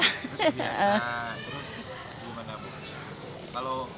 terbiasa terus gimana bu